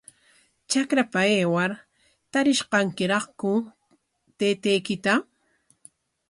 Trakrapa aywar, ¿tarish kankiraqku taytaykita?